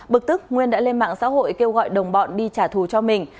bực tức nguyên đã lên mạng xã hội kêu gọi đồng bọn đi trả thù cho mình